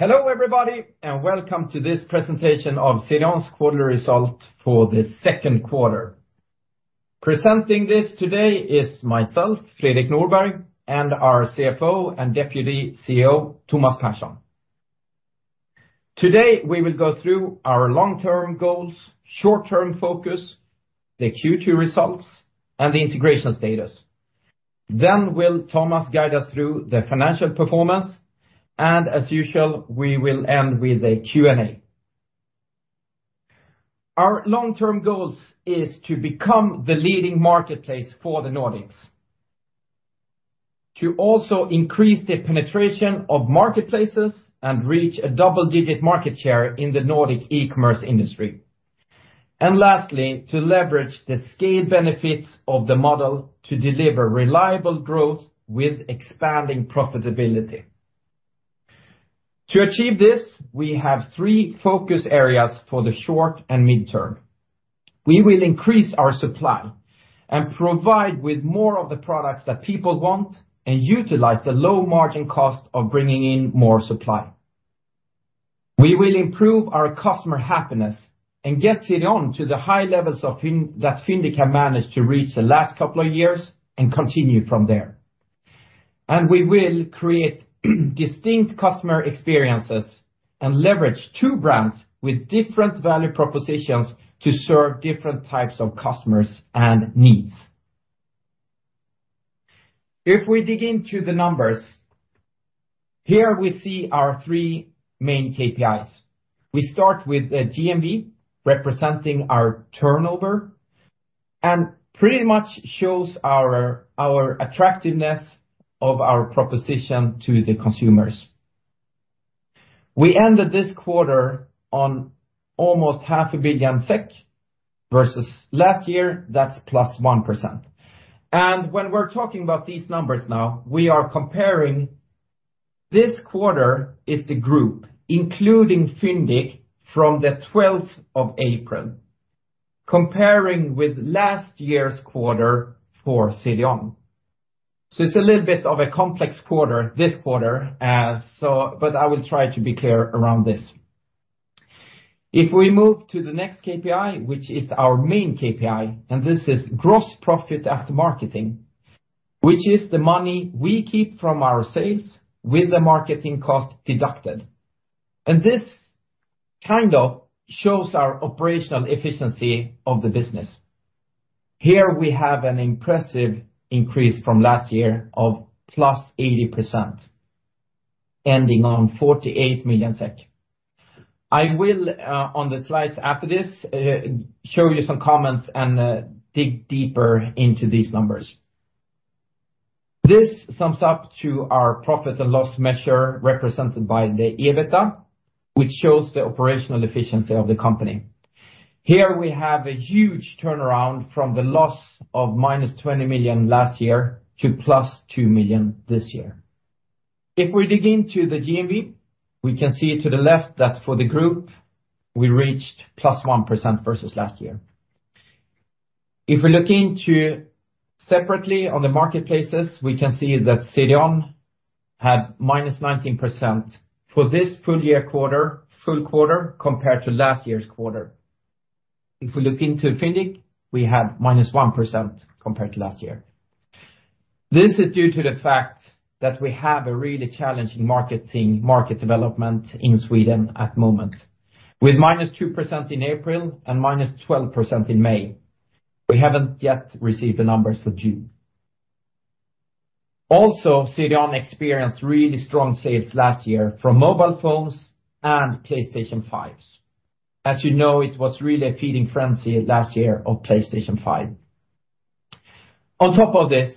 Hello, everybody. Welcome to this presentation of CDON's quarterly result for the second quarter. Presenting this today is myself, Fredrik Norberg, and our CFO and Deputy CEO, Thomas Pehrsson. Today, we will go through our long-term goals, short-term focus, the Q2 results, and the integration status. Will Thomas guide us through the financial performance. As usual, we will end with a Q&A. Our long-term goals is to become the leading marketplace for the Nordics. To also increase the penetration of marketplaces and reach a double-digit market share in the Nordic e-commerce industry. Lastly, to leverage the scale benefits of the model to deliver reliable growth with expanding profitability. To achieve this, we have three focus areas for the short and midterm. We will increase our supply and provide with more of the products that people want and utilize the low margin cost of bringing in more supply. We will improve our customer happiness and get CDON to the high levels that Fyndiq managed to reach the last couple of years and continue from there. We will create distinct customer experiences and leverage two brands with different value propositions to serve different types of customers and needs. If we dig into the numbers, here we see our three main KPIs. We start with the GMV, representing our turnover, pretty much shows our attractiveness of our proposition to the consumers. We ended this quarter on almost half a billion SEK, versus last year, that's +1%. When we're talking about these numbers now, we are comparing this quarter is the group, including Fyndiq, from the 12th of April, comparing with last year's quarter for CDON. It's a little bit of a complex quarter, this quarter, but I will try to be clear around this. If we move to the next KPI, which is our main KPI, and this is gross profit after marketing, which is the money we keep from our sales with the marketing cost deducted. This kind of shows our operational efficiency of the business. Here we have an impressive increase from last year of +80%, ending on 48 million SEK. I will on the slides after this show you some comments and dig deeper into these numbers. This sums up to our profit and loss measure, represented by the EBITDA, which shows the operational efficiency of the company. Here we have a huge turnaround from the loss of minus 20 million last year to plus 2 million this year. If we dig into the GMV, we can see to the left that for the group, we reached +1% versus last year. If we look into separately on the marketplaces, we can see that CDON had -19% for this full year quarter, full quarter, compared to last year's quarter. If we look into Fyndiq, we had -1% compared to last year. This is due to the fact that we have a really challenging marketing, market development in Sweden at the moment, with -2% in April and -12% in May. We haven't yet received the numbers for June. CDON experienced really strong sales last year from mobile phones and PlayStation 5s. As you know, it was really a feeding frenzy last year of PlayStation 5. On top of this,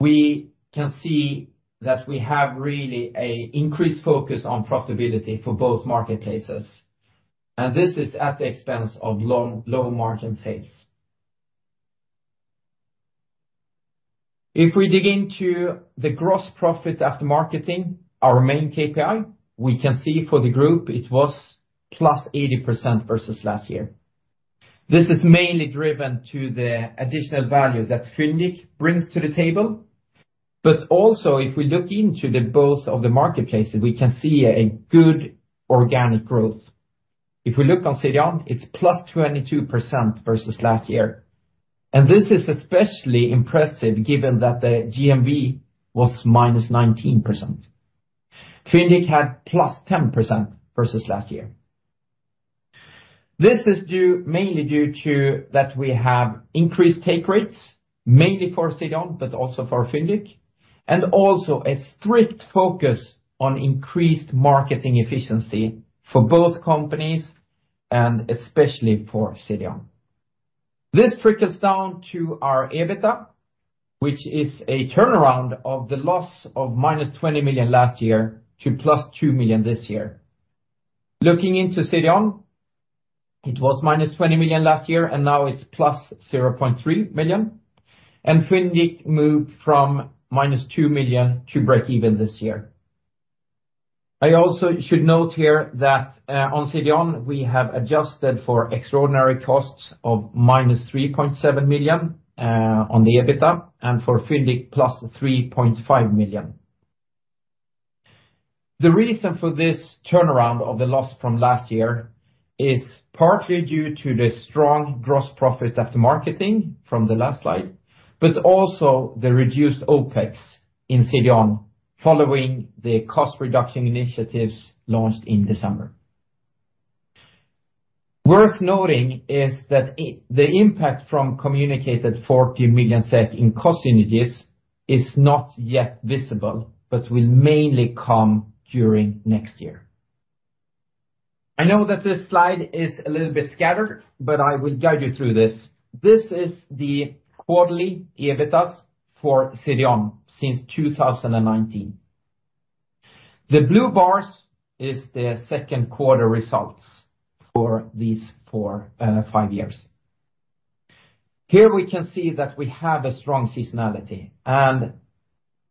we can see that we have really a increased focus on profitability for both marketplaces, and this is at the expense of low, low-margin sales. If we dig into the gross profit after marketing, our main KPI, we can see for the group it was plus 80% versus last year. This is mainly driven to the additional value that Fyndiq brings to the table, but also, if we look into the both of the marketplaces, we can see a good organic growth. If we look on CDON, it's plus 22% versus last year, and this is especially impressive, given that the GMV was minus 19%. Fyndiq had plus 10% versus last year. This is due, mainly due to that we have increased take rates, mainly for CDON, but also for Fyndiq, and also a strict focus on increased marketing efficiency for both companies and especially for CDON. This trickles down to our EBITDA, which is a turnaround of the loss of -20 million last year to +2 million this year. Looking into CDON, it was -20 million last year, and now it's +0.3 million, and Fyndiq moved from -2 million to breakeven this year. I also should note here that on CDON, we have adjusted for extraordinary costs of -3.7 million on the EBITDA, and for Fyndiq, +3.5 million. The reason for this turnaround of the loss from last year is partly due to the strong gross profit after marketing from the last slide, also the reduced OPEX in CDON, following the cost reduction initiatives launched in December. Worth noting is that the impact from communicated 40 million SEK in cost synergies is not yet visible, will mainly come during next year. I know that this slide is a little bit scattered, I will guide you through this. This is the quarterly EBITAS for CDON since 2019. The blue bars is the second quarter results for these four, five years. Here, we can see that we have a strong seasonality.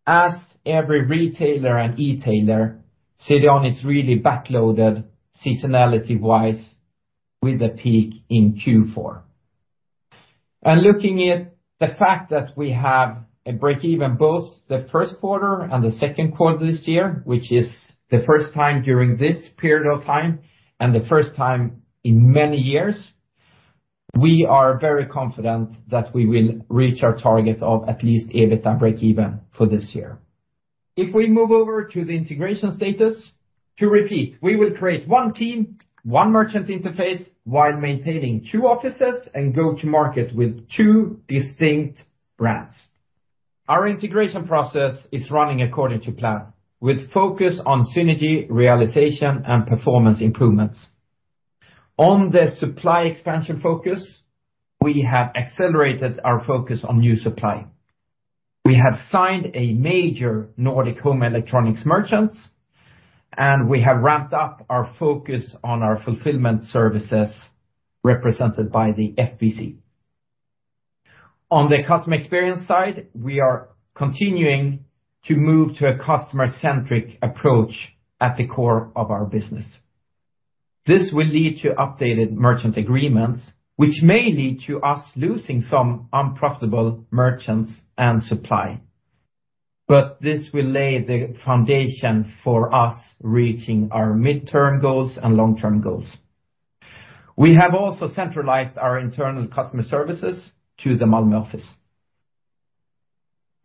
As every retailer and e-tailer, CDON is really backloaded seasonality-wise, with a peak in Q4. Looking at the fact that we have a break even, both the first quarter and the second quarter this year, which is the first time during this period of time and the first time in many years, we are very confident that we will reach our target of at least EBITA break even for this year. If we move over to the integration status, to repeat, we will create one team, one merchant interface, while maintaining two offices and go to market with two distinct brands. Our integration process is running according to plan, with focus on synergy, realization, and performance improvements. On the supply expansion focus, we have accelerated our focus on new supply. We have signed a major Nordic home electronics merchant. We have ramped up our focus on our fulfillment services, represented by the FBC. On the customer experience side, we are continuing to move to a customer-centric approach at the core of our business. This will lead to updated merchant agreements, which may lead to us losing some unprofitable merchants and supply. This will lay the foundation for us reaching our midterm goals and long-term goals. We have also centralized our internal customer services to the Malmö office.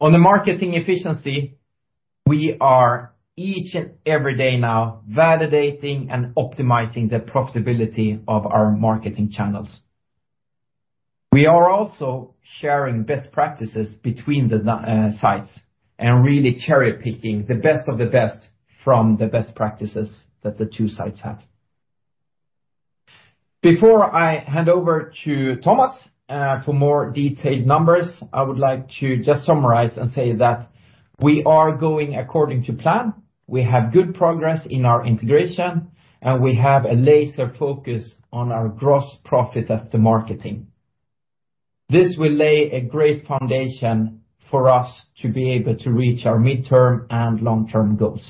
On the marketing efficiency, we are each and every day now validating and optimizing the profitability of our marketing channels. We are also sharing best practices between the sites and really cherry-picking the best of the best from the best practices that the two sites have. Before I hand over to Thomas for more detailed numbers, I would like to just summarize and say that we are going according to plan. We have good progress in our integration, and we have a laser focus on our gross profit after marketing. This will lay a great foundation for us to be able to reach our midterm and long-term goals.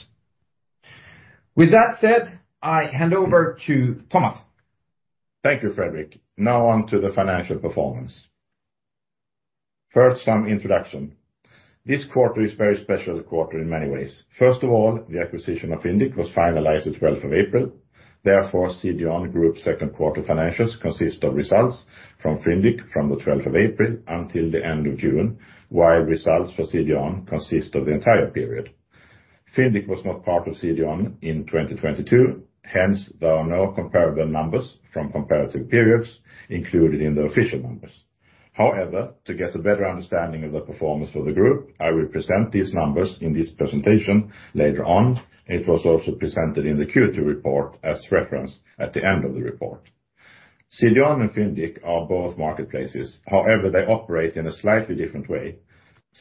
With that said, I hand over to Thomas. Thank you, Fredrik. On to the financial performance. First, some introduction. This quarter is a very special quarter in many ways. First of all, the acquisition of Fyndiq was finalized the 12th of April. CDON Group second quarter financials consist of results from Fyndiq from the 12th of April until the end of June, while results for CDON consist of the entire period. Fyndiq was not part of CDON in 2022, there are no comparable numbers from comparative periods included in the official numbers. To get a better understanding of the performance of the group, I will present these numbers in this presentation later on. It was also presented in the Q2 report as referenced at the end of the report. CDON and Fyndiq are both marketplaces. They operate in a slightly different way.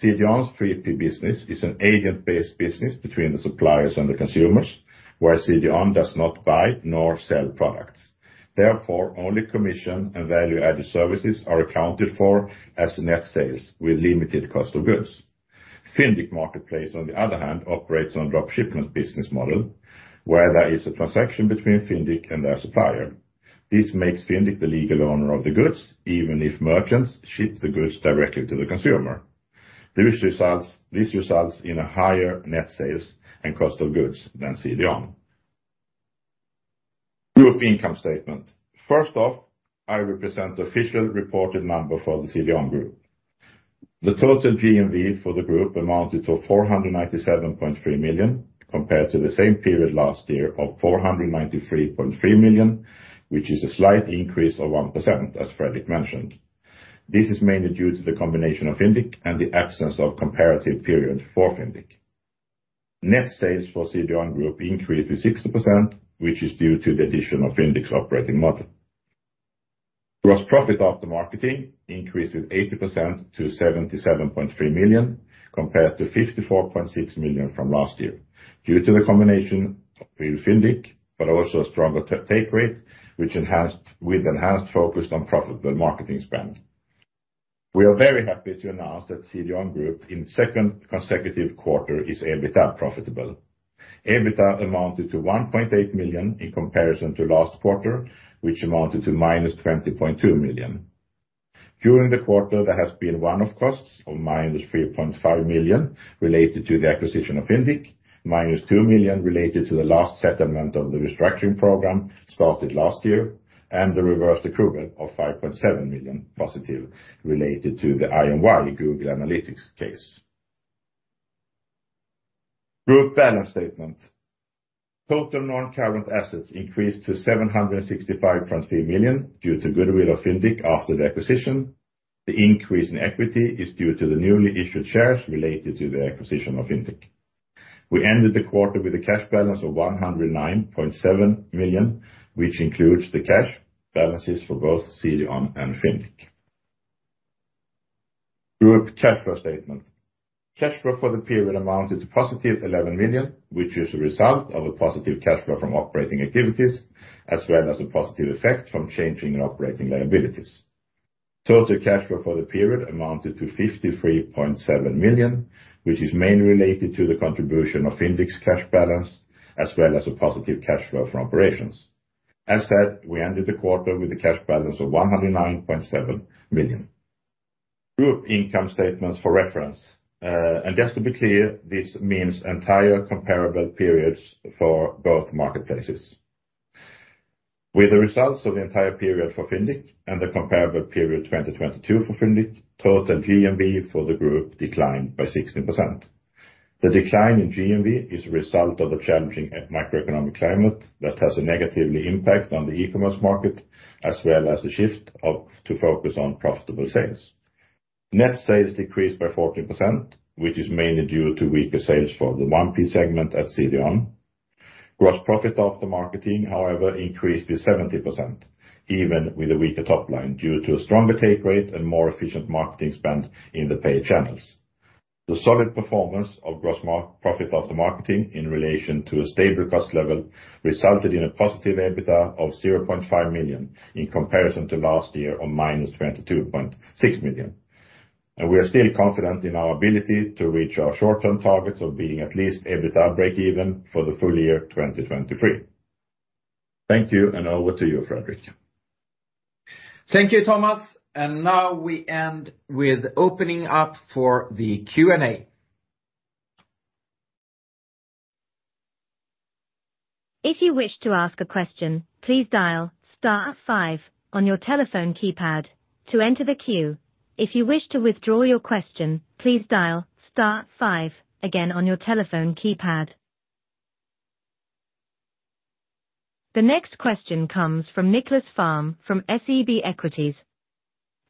CDON's 3P business is an agent-based business between the suppliers and the consumers, where CDON does not buy nor sell products. Therefore, only commission and value-added services are accounted for as net sales with limited cost of goods. Fyndiq marketplace, on the other hand, operates on drop shipment business model, where there is a transaction between Fyndiq and their supplier. This makes Fyndiq the legal owner of the goods, even if merchants ship the goods directly to the consumer. This results in a higher net sales and cost of goods than CDON. Group income statement. First off, I represent the official reported number for the CDON Group. The total GMV for the group amounted to 497.3 million, compared to the same period last year of 493.3 million, which is a slight increase of 1%, as Fredrik mentioned. This is mainly due to the combination of Fyndiq and the absence of comparative period for Fyndiq. Net sales for CDON Group increased to 60%, which is due to the addition of Fyndiq's operating model. Gross profit after marketing increased with 80% to 77.3 million, compared to 54.6 million from last year, due to the combination of Fyndiq, but also a stronger take rate, with enhanced focus on profitable marketing spend. We are very happy to announce that CDON Group, in second consecutive quarter, is EBITA profitable. EBITA amounted to 1.8 million in comparison to last quarter, which amounted to -20.2 million. During the quarter, there has been one-off costs of -3.5 million related to the acquisition of Fyndiq, -2 million related to the last settlement of the restructuring program started last year, and the reverse accrual of 5.7 million positive, related to the IMY Google Analytics case. Group balance statement. Total non-current assets increased to 765.3 million due to goodwill of Fyndiq after the acquisition. The increase in equity is due to the newly issued shares related to the acquisition of Fyndiq. We ended the quarter with a cash balance of 109.7 million, which includes the cash balances for both CDON and Fyndiq. Group cash flow statement. Cash flow for the period amounted to positive 11 million, which is a result of a positive cash flow from operating activities, as well as a positive effect from changing operating liabilities. Total cash flow for the period amounted to 53.7 million, which is mainly related to the contribution of Fyndiq's cash balance, as well as a positive cash flow from operations. As said, we ended the quarter with a cash balance of 109.7 million. Group income statements for reference. Just to be clear, this means entire comparable periods for both marketplaces. With the results of the entire period for Fyndiq and the comparable period 2022 for Fyndiq, total GMV for the group declined by 16%. The decline in GMV is a result of the challenging e-macroeconomic climate that has a negatively impact on the e-commerce market, as well as the shift to focus on profitable sales. Net sales decreased by 14%, which is mainly due to weaker sales for the 1P segment at CDON. Gross profit after marketing, however, increased by 70%, even with a weaker top line, due to a stronger take rate and more efficient marketing spend in the paid channels. The solid performance of gross profit after marketing in relation to a stable cost level, resulted in a positive EBITDA of 0.5 million in comparison to last year on -22.6 million. We are still confident in our ability to reach our short-term targets of being at least EBITDA breakeven for the full year 2023. Thank you, over to you, Fredrik. Thank you, Thomas. Now we end with opening up for the Q&A. If you wish to ask a question, please dial star five on your telephone keypad to enter the queue. If you wish to withdraw your question, please dial star five again on your telephone keypad. The next question comes from Nicklas Fhärm from SEB Equities.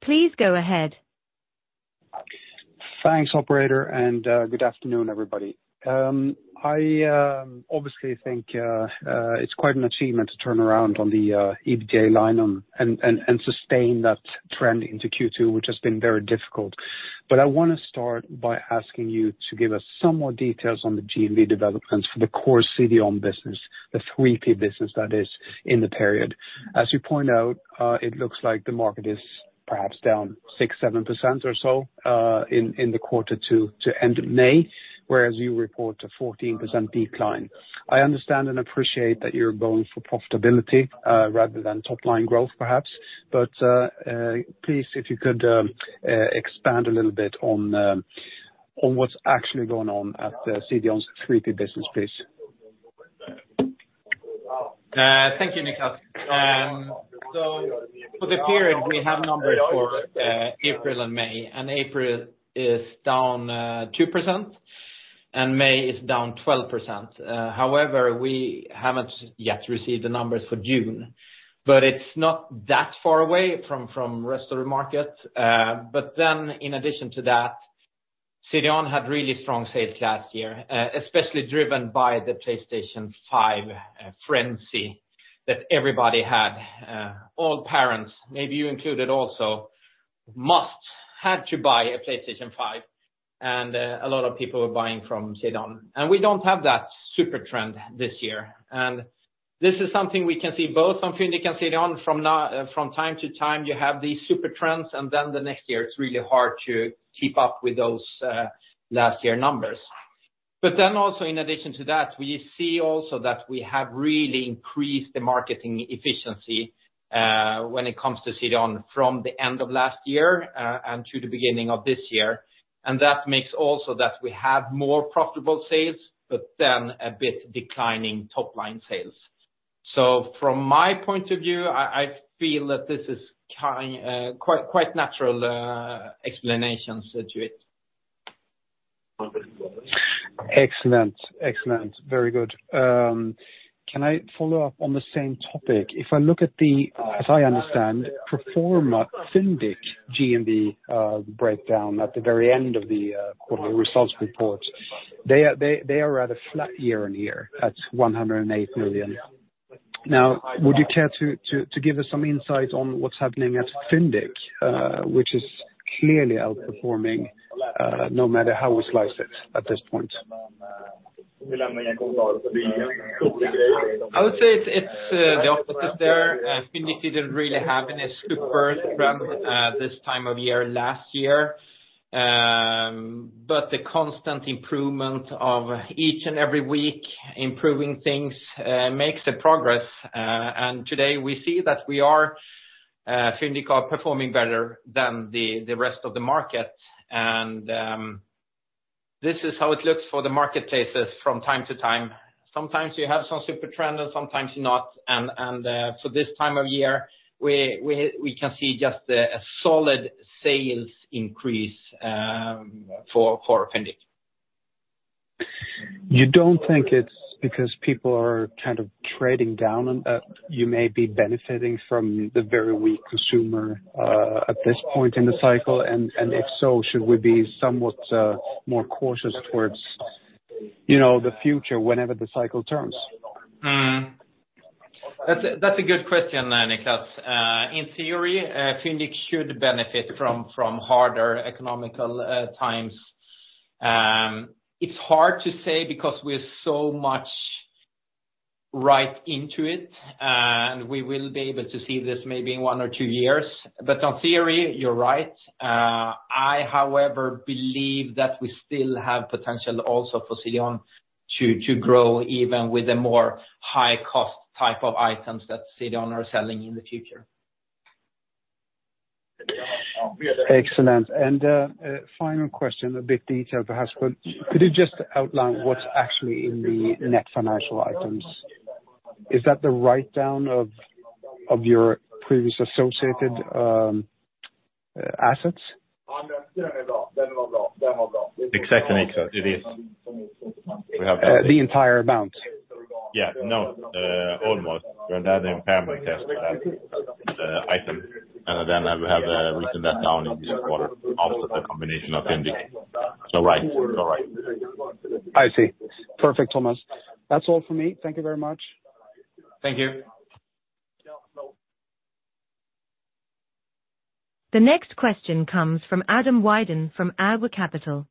Please go ahead. Thanks, operator. Good afternoon, everybody. I obviously think it's quite an achievement to turn around on the EBITA line and sustain that trend into Q2, which has been very difficult. I wanna start by asking you to give us some more details on the GMV developments for the core CDON business, the 3P business that is in the period. As you point out, it looks like the market is perhaps down 6%-7% or so in the quarter to end of May, whereas you report a 14% decline. I understand and appreciate that you're going for profitability rather than top line growth, perhaps, but please, if you could expand a little bit on what's actually going on at the CDON's 3P business, please. Thank you, Nicholas. For the period, we have numbers for April and May, and April is down 2% and May is down 12%. We haven't yet received the numbers for June, but it's not that far away from rest of the market. In addition to that, CDON had really strong sales last year, especially driven by the PlayStation 5 frenzy that everybody had. All parents, maybe you included also, must had to buy a PlayStation 5, and a lot of people were buying from CDON. We don't have that super trend this year. This is something we can see both on Fyndiq and CDON from time to time, you have these super trends, and then the next year, it's really hard to keep up with those last year numbers. Also in addition to that, we see also that we have really increased the marketing efficiency when it comes to CDON from the end of last year and to the beginning of this year. That makes also that we have more profitable sales, but then a bit declining top line sales. From my point of view, I feel that this is quite natural explanations to it. Excellent. Excellent. Very good. Can I follow up on the same topic? If I look at as I understand, pro forma Fyndiq GMV, breakdown at the very end of the quarterly results report, they are at a flat year-on-year at 108 million. Would you care to give us some insight on what's happening at Fyndiq, which is clearly outperforming, no matter how we slice it at this point? I would say it's the opposite there. Fyndiq didn't really have a super trend this time of year last year. The constant improvement of each and every week, improving things, makes a progress. Today we see that we are Fyndiq are performing better than the rest of the market. This is how it looks for the marketplaces from time to time. Sometimes you have some super trend and sometimes you not. This time of year, we can see just a solid sales increase for Fyndiq. You don't think it's because people are kind of trading down, and you may be benefiting from the very weak consumer at this point in the cycle? If so, should we be somewhat more cautious towards, you know, the future whenever the cycle turns? That's a good question, Nicholas. In theory, Fyndiq should benefit from harder economical times. It's hard to say because we're so much right into it, and we will be able to see this maybe in one or two years. In theory, you're right. I, however, believe that we still have potential also for Sello to grow, even with the more high-cost type of items that Sello are selling in the future. Excellent. A final question, a bit detailed perhaps, but could you just outline what's actually in the net financial items? Is that the write-down of your previous associated assets? Exactly, Nicholas, it is. The entire amount? No, almost, we had an impairment test item, I will have written that down in this quarter, also the combination of Fyndiq. Right. I see. Perfect, Thomas. That's all for me. Thank you very much. Thank you. The next question comes from Adam Wyden from ADW Capital.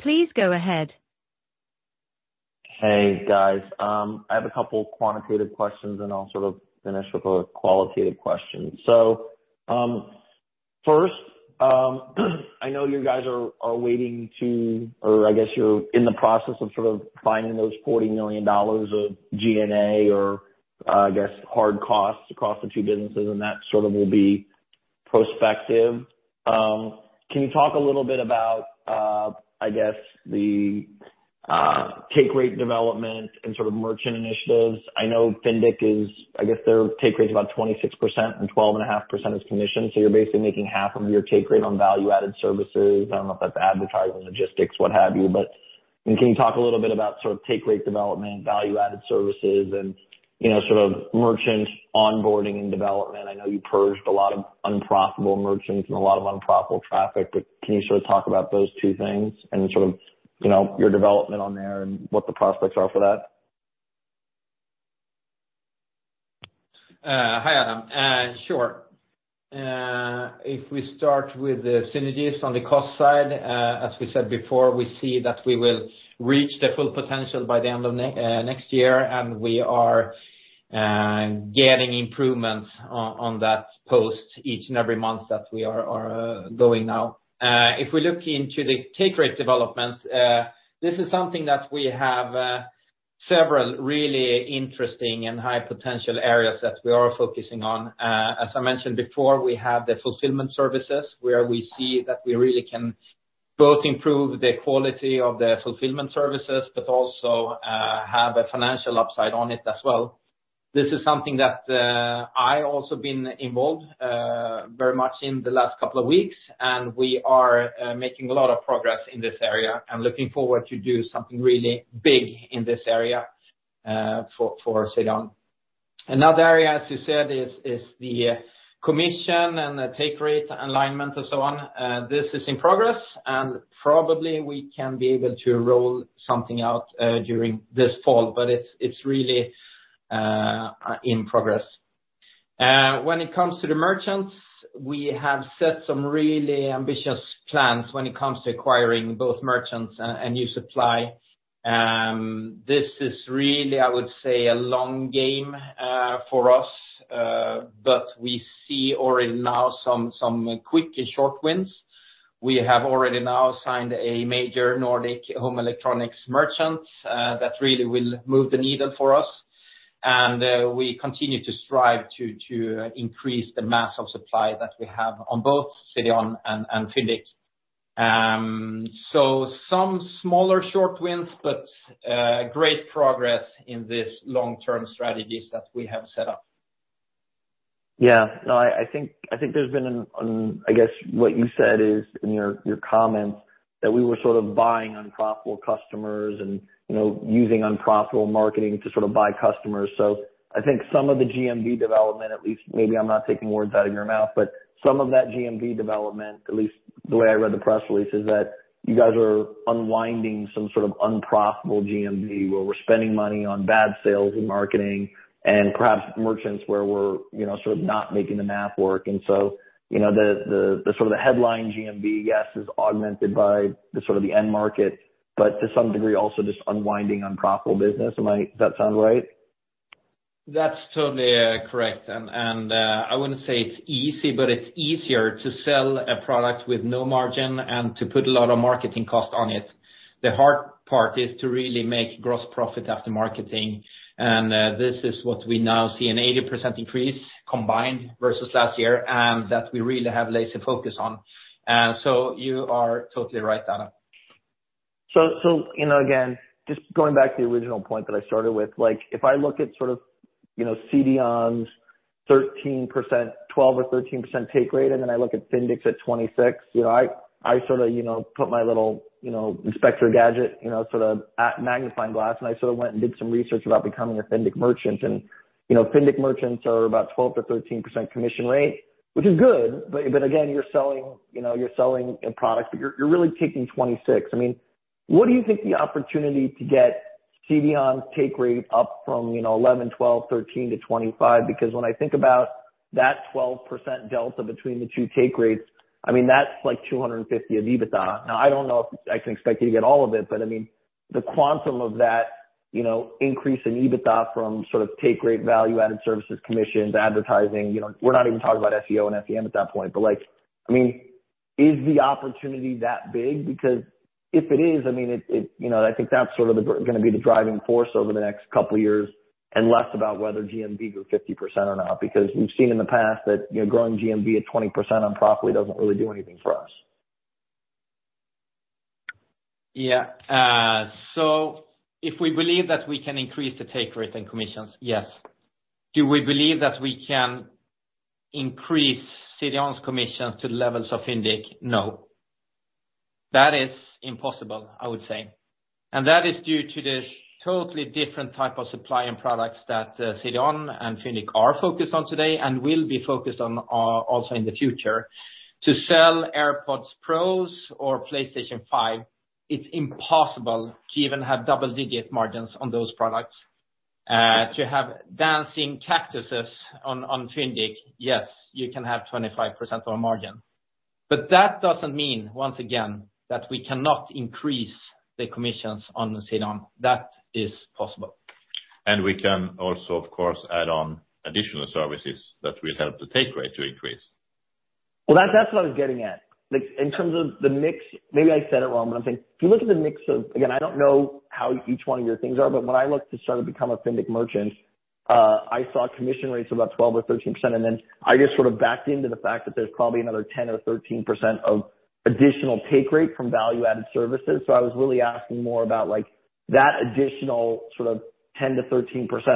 Please go ahead. Hey, guys. I have a couple quantitative questions, I'll sort of finish with a qualitative question. First, I know you guys are waiting to or I guess you're in the process of sort of finding those $40 million of G&A or, I guess, hard costs across the two businesses, that sort of will be prospective. Can you talk a little bit about, I guess the take rate development and sort of merchant initiatives? I know Fyndiq is, I guess, their take rate is about 26%, 12.5% is commission, you're basically making half of your take rate on value-added services. I don't know if that's advertising, logistics, what have you. Can you talk a little bit about sort of take rate development, value-added services, and, you know, sort of merchant onboarding and development? I know you purged a lot of unprofitable merchants and a lot of unprofitable traffic, but can you sort of talk about those two things and sort of, you know, your development on there and what the prospects are for that? Hi, Adam. Sure. If we start with the synergies on the cost side, as we said before, we see that we will reach the full potential by the end of next year, and we are getting improvements on that post each and every month that we are going now. If we look into the take rate development, this is something that we have several really interesting and high-potential areas that we are focusing on. As I mentioned before, we have the fulfillment services, where we see that we really can both improve the quality of the fulfillment services, but also have a financial upside on it as well. This is something that I also been involved very much in the last couple of weeks. We are making a lot of progress in this area and looking forward to do something really big in this area for Sello. Another area, as you said, is the commission and the take rate alignment and so on. This is in progress, and probably we can be able to roll something out during this fall, but it's really in progress. When it comes to the merchants, we have set some really ambitious plans when it comes to acquiring both merchants and new supply. This is really, I would say, a long game for us, but we see already now some quick and short wins. We have already now signed a major Nordic home electronics merchant that really will move the needle for us. We continue to strive to increase the mass of supply that we have on both Sello and Fyndiq. Some smaller short wins, but great progress in these long-term strategies that we have set up. Yeah, no, I think there's been an I guess, what you said is, in your comments, that we were sort of buying unprofitable customers and, you know, using unprofitable marketing to sort of buy customers. I think some of the GMV development, at least maybe I'm not taking words out of your mouth, but some of that GMV development, at least the way I read the press release, is that you guys are unwinding some sort of unprofitable GMV, where we're spending money on bad sales and marketing, and perhaps merchants where we're, you know, sort of not making the math work. You know, the sort of the headline GMV, yes, is augmented by the sort of the end market, but to some degree, also just unwinding unprofitable business. Does that sound right? ...That's totally, correct. I wouldn't say it's easy, but it's easier to sell a product with no margin and to put a lot of marketing cost on it. The hard part is to really make gross profit after marketing. This is what we now see an 80% increase combined versus last year, and that we really have laser focus on. You are totally right, Adam. You know, again, just going back to the original point that I started with, like, if I look at sort of, you know, CDON's 12% or 13% take rate, and then I look at Fyndiq at 26, you know, I sort of, you know, put my little, you know, Inspector Gadget, you know, sort of, magnifying glass, and I sort of went and did some research about becoming a Fyndiq merchant. You know, Fyndiq merchants are about 12%-13% commission rate, which is good, but again, you're selling, you know, you're selling a product, but you're really taking 26. I mean, what do you think the opportunity to get CDON's take rate up from, you know, 11, 12, 13 to 25? When I think about that 12% delta between the two take rates, I mean, that's like 250 of EBITDA. Now, I don't know if I can expect you to get all of it, but, I mean, the quantum of that, you know, increase in EBITDA from sort of take rate, value added services, commissions, advertising, you know, we're not even talking about SEO and SEM at that point. Like, I mean, is the opportunity that big? If it is, I mean, it, you know, I think that's sort of the, gonna be the driving force over the next couple of years, and less about whether GMV grew 50% or not, because we've seen in the past that, you know, growing GMV at 20% on properly doesn't really do anything for us. Yeah. If we believe that we can increase the take rate and commissions, yes. Do we believe that we can increase CDON's commissions to the levels of Fyndiq? No. That is impossible, I would say, and that is due to the totally different type of supply and products that CDON and Fyndiq are focused on today and will be focused on also in the future. To sell AirPods Pros or PlayStation 5, it's impossible to even have double-digit margins on those products. To have dancing cactuses on Fyndiq, yes, you can have 25% on margin. That doesn't mean, once again, that we cannot increase the commissions on the CDON. That is possible. We can also, of course, add on additional services that will help the take rate to increase. Well, that's what I was getting at. Like, in terms of the mix, maybe I said it wrong, but I'm saying, if you look at the mix of... Again, I don't know how each one of your things are, but when I look to sort of become a Fyndiq merchant, I saw commission rates of about 12% or 13%, then I just sort of backed into the fact that there's probably another 10% or 13% of additional take rate from value-added services. I was really asking more about, like, that additional sort of 10%-13%.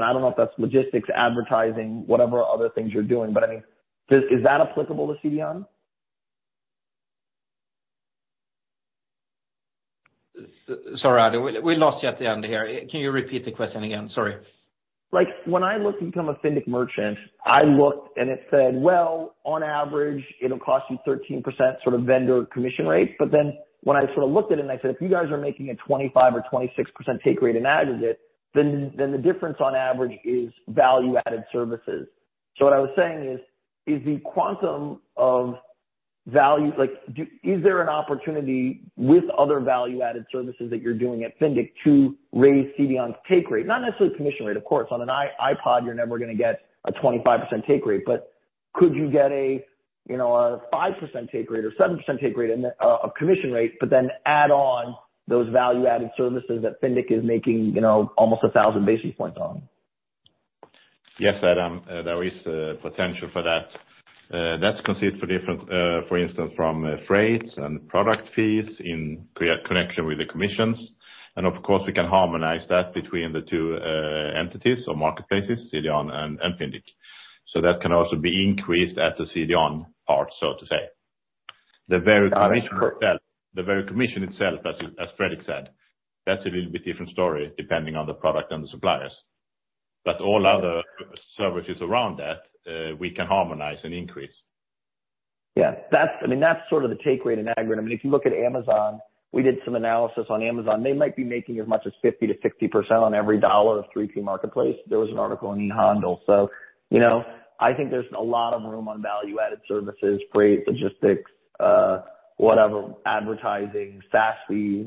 I don't know if that's logistics, advertising, whatever other things you're doing, but, I mean, is that applicable to CDON? Sorry, Adam, we lost you at the end here. Can you repeat the question again? Sorry. When I looked to become a Fyndiq merchant, I looked and it said, "Well, on average, it'll cost you 13%, sort of, vendor commission rate." When I sort of looked at it and I said, "If you guys are making a 25% or 26% take rate in aggregate, then the difference on average is value-added services." What I was saying is the quantum of value, like, Is there an opportunity with other value-added services that you're doing at Fyndiq to raise CDON's take rate? Not necessarily commission rate, of course. On an iPhone, you're never going to get a 25% take rate, but could you get a, you know, a 5% take rate or 7% take rate in the, a commission rate, but then add on those value-added services that Fyndiq is making, you know, almost 1,000 basis points on? Yes, Adam, there is potential for that. That consists for different, for instance, from freight and product fees in clear connection with the commissions. Of course, we can harmonize that between the two entities or marketplaces, CDON and Fyndiq. That can also be increased at the CDON part, so to say. The very commission itself- Uh, cor- The very commission itself, as Fredrik said, that's a little bit different story, depending on the product and the suppliers. All other services around that, we can harmonize and increase. Yeah, I mean, that's sort of the take rate in aggregate. I mean, if you look at Amazon, we did some analysis on Amazon. They might be making as much as 50% to 60% on every dollar of three-tier marketplace. There was an article in Ehandel. You know, I think there's a lot of room on value-added services, freight, logistics, whatever, advertising, SaaS fees,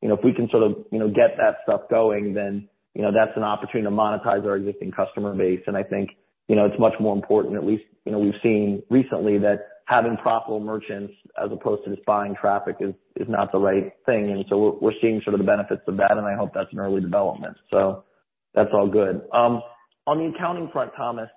you know, if we can sort of, you know, get that stuff going, then, you know, that's an opportunity to monetize our existing customer base. I think, you know, it's much more important at least, you know, we've seen recently that having profitable merchants, as opposed to just buying traffic, is not the right thing. We're seeing sort of the benefits of that, and I hope that's an early development. That's all good. On the accounting front, Thomas,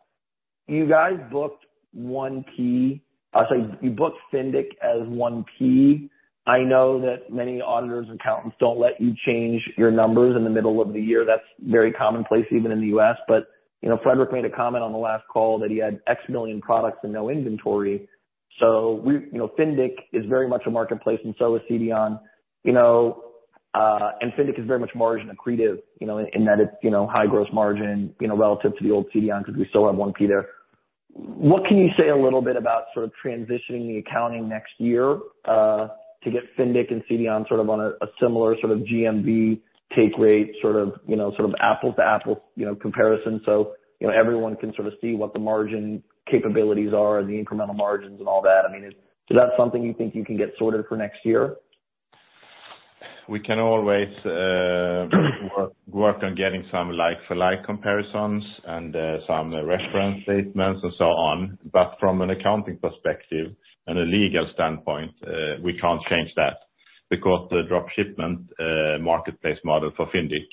you guys booked one key. I'll say, you booked Fyndiq as one key. I know that many auditors and accountants don't let you change your numbers in the middle of the year. That's very commonplace, even in the U.S., but, you know, Fredrik made a comment on the last call that he had X million products and no inventory. We, you know, Fyndiq is very much a marketplace, and so is CDON, you know, and Fyndiq is very much margin accretive, you know, in that it's, you know, high gross margin, you know, relative to the old CDON, because we still have one key there. What can you say a little bit about sort of transitioning the accounting next year, to get Fyndiq and CDON sort of on a similar sort of GMV take rate, sort of, you know, sort of apple-to-apple, you know, comparison, so, you know, everyone can sort of see what the margin capabilities are and the incremental margins and all that? I mean, is that something you think you can get sorted for next year? ... We can always work on getting some like for like comparisons and some reference statements and so on. From an accounting perspective and a legal standpoint, we can't change that, because the drop shipment marketplace model for Fyndiq,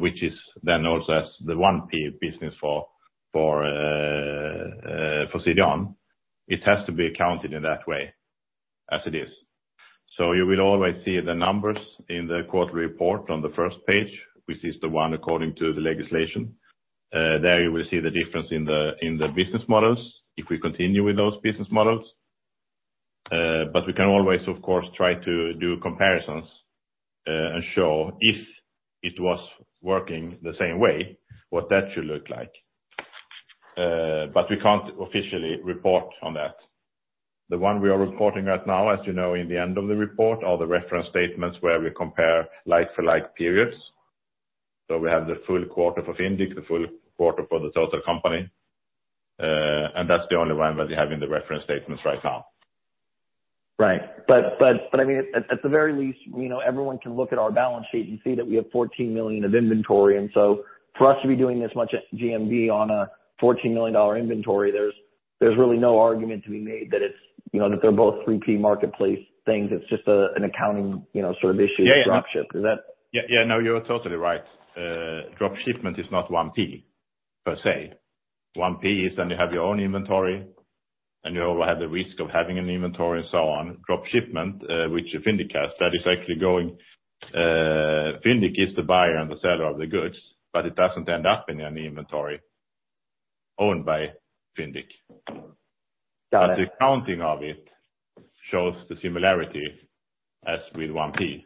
which is then also as the 1P business for CDON, it has to be accounted in that way, as it is. You will always see the numbers in the quarterly report on the first page, which is the one according to the legislation. There you will see the difference in the business models, if we continue with those business models. We can always, of course, try to do comparisons and show if it was working the same way, what that should look like. We can't officially report on that. The one we are reporting right now, as you know, in the end of the report, are the reference statements where we compare like-for-like periods. We have the full quarter for Fyndiq, the full quarter for the total company, and that's the only one that you have in the reference statements right now. Right. I mean, at the very least, you know, everyone can look at our balance sheet and see that we have $14 million of inventory, and so for us to be doing this much GMV on a $14 million inventory, there's really no argument to be made that it's, you know, that they're both 3P marketplace things. It's just a, an accounting, you know, sort of issue. Yeah, yeah. Drop ship. Is that? Yeah, yeah. No, you're totally right. Drop shipment is not 1P, per se. 1P is when you have your own inventory, and you have the risk of having an inventory and so on. Drop shipment, which Fyndiq has, that is actually going... Fyndiq is the buyer and the seller of the goods, but it doesn't end up in any inventory owned by Fyndiq. Got it. The accounting of it shows the similarity as with 1P,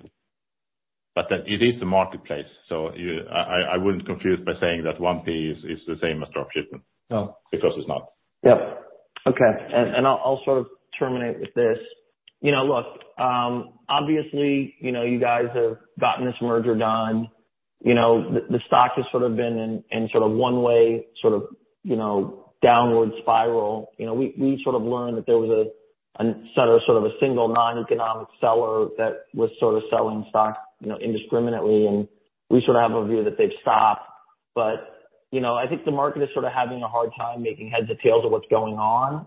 but then it is the marketplace. I wouldn't confuse by saying that 1P is the same as drop shipment. No. It's not. Yep. Okay. I'll sort of terminate with this. You know, look, obviously, you know, you guys have gotten this merger done. You know, the stock has sort of been in sort of one way, sort of, you know, downward spiral. You know, we sort of learned that there was a single non-economic seller that was sort of selling stock, you know, indiscriminately, and we sort of have a view that they've stopped. You know, I think the market is sort of having a hard time making heads or tails of what's going on.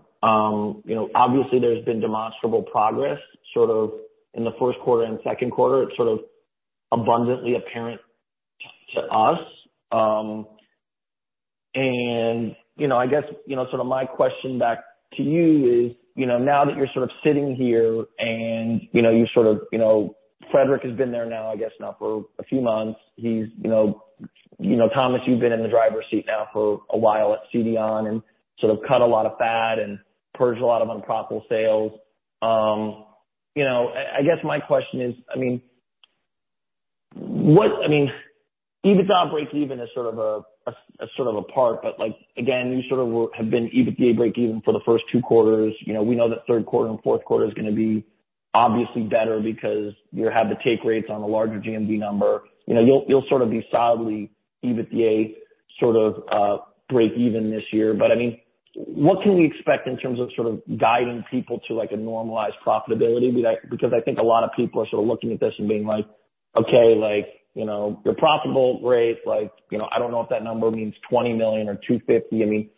You know, obviously there's been demonstrable progress, sort of, in the first quarter and second quarter. It's sort of abundantly apparent to us. You know, I guess, you know, sort of my question back to you is, you know, now that you're sort of sitting here and, you know, you sort of, you know, Fredrik has been there now, I guess now for a few months. He's, you know, you know, Tomas, you've been in the driver's seat now for a while at CDON and sort of cut a lot of fat and purged a lot of unprofitable sales. You know, I guess my question is, I mean, EBITDA break even is sort of a, sort of a part, but like, again, you sort of have been EBITDA break even for the first 2 quarters. You know, we know that 3rd quarter and 4th quarter is gonna be obviously better because you have the take rates on a larger GMV number. You know, you'll sort of be solidly EBITDA sort of break even this year. I mean, what can we expect in terms of sort of guiding people to, like, a normalized profitability? I think a lot of people are sort of looking at this and being like, okay, like, you know, your profitable rate, like, you know, I don't know if that number means 20 million or 250 million.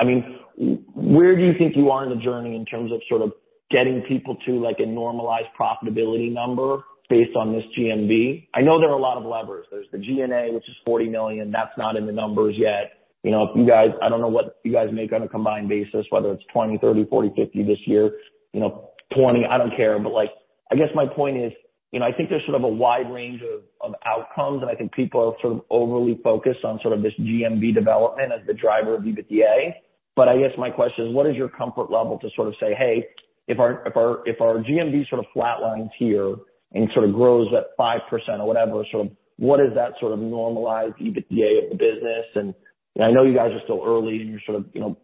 I mean, where do you think you are in the journey in terms of sort of getting people to like a normalized profitability number based on this GMV? I know there are a lot of levers. There's the G&A, which is 40 million, that's not in the numbers yet. You know, if you guys, I don't know what you guys make on a combined basis, whether it's 20, 30, 40, 50 this year, you know, 20, I don't care. Like, I guess my point is, you know, I think there's sort of a wide range of outcomes, and I think people are sort of overly focused on sort of this GMV development as the driver of EBITDA. I guess my question is, what is your comfort level to sort of say, "Hey, if our GMV sort of flat lines here and sort of grows at 5% or whatever, sort of what is that sort of normalized EBITDA of the business? I know you guys are still early, and you're sort of, you know,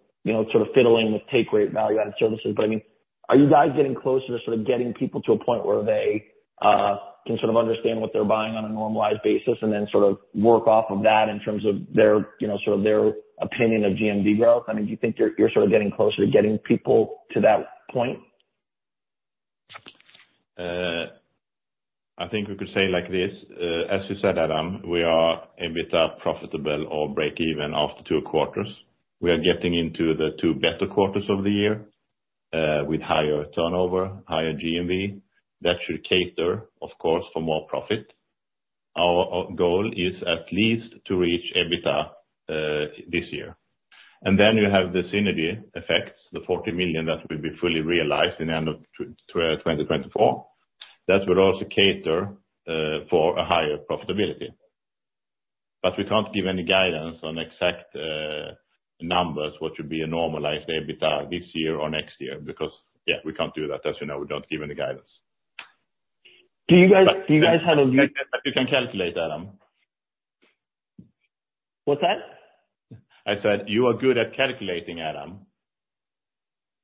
sort of fiddling with take rate value-added services, but I mean, are you guys getting closer to sort of getting people to a point where they can sort of understand what they're buying on a normalized basis and then sort of work off of that in terms of their, you know, sort of their opinion of GMV growth? I mean, do you think you're sort of getting closer to getting people to that point? I think we could say like this, as you said, Adam, we are a bit profitable or break even after 2 quarters. We are getting into the 2 better quarters of the year, with higher turnover, higher GMV. That should cater, of course, for more profit. Our goal is at least to reach EBITDA this year. Then you have the synergy effects, the 40 million that will be fully realized in the end of 2024. That will also cater for a higher profitability. We can't give any guidance on exact numbers, what should be a normalized EBITDA this year or next year, because we can't do that. As you know, we don't give any guidance. Do you guys have? You can calculate, Adam. What's that? I said, you are good at calculating, Adam.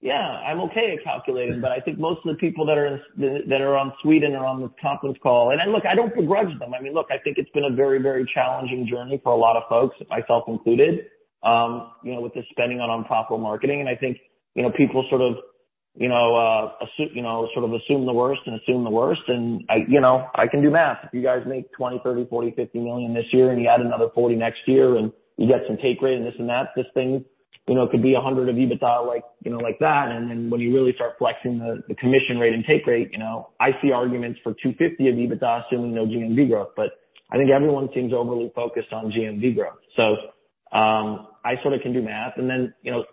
I'm okay at calculating, I think most of the people that are on Sweden are on this conference call. Look, I don't begrudge them. I mean, look, I think it's been a very, very challenging journey for a lot of folks, myself included, you know, with the spending on unprofitable marketing. I think, you know, people sort of assume the worst, and I, you know, I can do math. If you guys make 20 million, 30 million, 40 million, 50 million this year, and you add another 40 million next year, and you get some take rate and this and that, this thing, you know, could be 100 million of EBITDA, like, you know, like that. When you really start flexing the commission rate and take rate, you know, I see arguments for 250 of EBITDA, assuming no GMV growth. I think everyone seems overly focused on GMV growth. I sort of can do math. Separately, you know,